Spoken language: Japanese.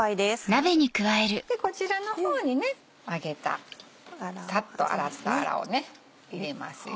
でこちらの方に上げたサッと洗ったアラを入れますよ。